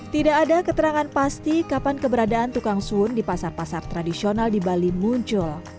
tidak ada keterangan pasti kapan keberadaan tukang sun di pasar pasar tradisional di bali muncul